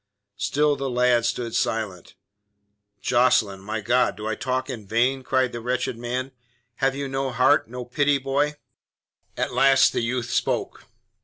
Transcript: Still the lad stood silent. "Jocelyn! My God, do I talk in vain?" cried the wretched man. "Have you no heart, no pity, boy?" At last the youth spoke.